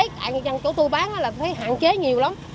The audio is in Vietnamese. tại những chỗ tôi bán là thấy hạn chế nhiều lắm